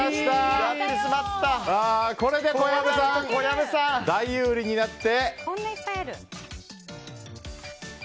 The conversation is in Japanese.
これで小籔さん大有利になって。